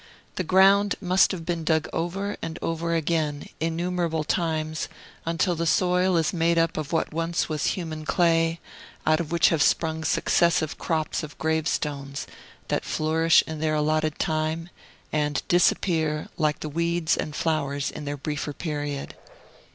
The ground must have been dug over and over again, innumerable times, until the soil is made up of what was once human clay, out of which have sprung successive crops of gravestones, that flourish their allotted time, and disappear, like the weeds and flowers in their briefer period.